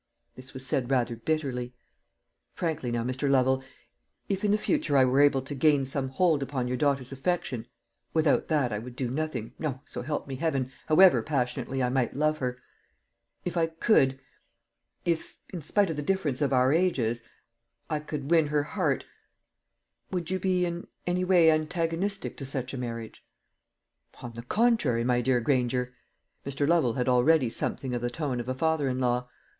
This was said rather bitterly. "Frankly, now, Mr. Lovel: if in the future I were able to gain some hold upon your daughter's affection without that I would do nothing, no, so help me heaven, however passionately I might love her; if I could if, in spite of the difference of our ages, I could win her heart would you be in any way antagonistic to such a marriage?" "On the contrary, my dear Granger." Mr. Lovel had already something of the tone of a father in law.